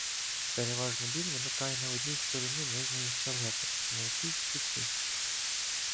Переважно біль виникає на одній стороні нижньої щелепи чи на якійсь щоці.